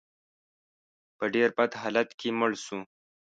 په ډېر بد حالت کې مړ شو.